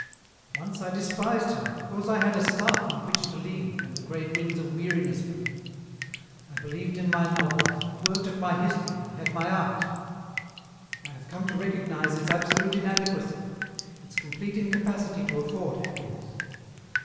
" Once I despised her, because I had a staff on which to lean when the great winds of weariness blew ; I believed in my novels, I worked at my history, I had my art. I have come to recognize its absolute inadequacy, its complete incapacity to afford happiness.